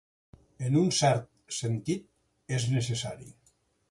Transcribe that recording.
En un cert sentit, és necessari.